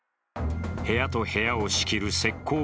部屋と部屋を仕切る石こう